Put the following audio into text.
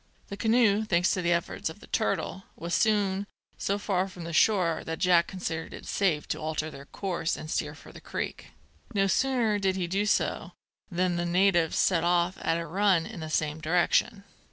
The canoe, thanks to the efforts of the turtle, was soon so far from shore that Jack considered it safe to alter their course and steer for the creek. No sooner did he do so than the natives set off at a run in the same direction.